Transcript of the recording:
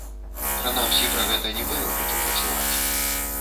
Прынамсі, пра гэта не было нічога чуваць.